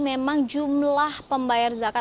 memang jumlah pembayar zakat